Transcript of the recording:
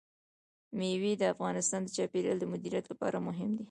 مېوې د افغانستان د چاپیریال د مدیریت لپاره مهم دي.